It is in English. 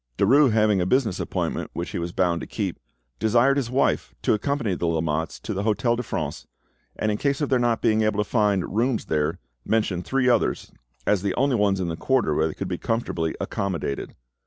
Derues having a business appointment which he was bound to keep, desired his wife to accompany the Lamottes to the Hotel de France, and in case of their not being able to find rooms there, mentioned three others as the only ones in the quarter where they could be comfortably accommodated.